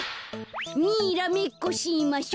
にらめっこしましょ。